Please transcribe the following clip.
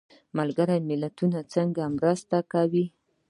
ملګري ملتونه څنګه مرسته کوي؟